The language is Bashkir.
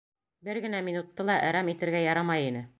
Бер генә минутты ла әрәм итергә ярамай ине.